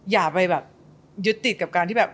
อย่าไปแบบยึดติดกับการที่แบบ